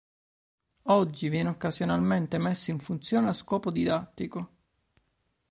Oggi viene occasionalmente messo in funzione a scopo didattico.